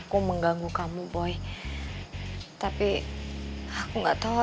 kalau sampai be nyerahin dia